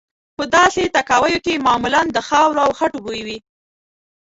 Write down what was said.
په داسې تاکاویو کې معمولا د خاورو او خټو بوی وي.